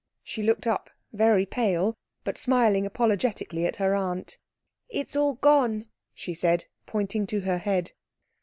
She looked up, very pale, but smiling apologetically at her aunt. "It's all gone," she said, pointing to her head.